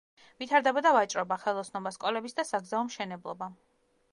ვითარდებოდა ვაჭრობა, ხელოსნობა, სკოლების და საგზაო მშენებლობა.